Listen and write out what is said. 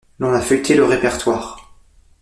L'on a feuilleté le répertoire.